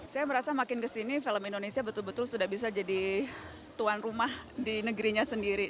saya merasa makin kesini film indonesia betul betul sudah bisa jadi tuan rumah di negerinya sendiri